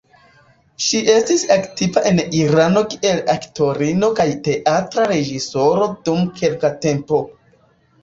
Ŝi estis aktiva en Irano kiel aktorino kaj teatra reĝisoro dum kelka tempo.